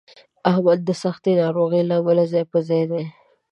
احمد د سختې ناروغۍ له امله ځای په ځای دی.